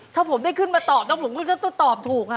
ถ้าผมได้ขึ้นมาตอบแล้วผมก็จะต้องตอบถูก